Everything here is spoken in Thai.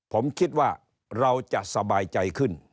ผมคิดว่าเราจะสบายใจขึ้น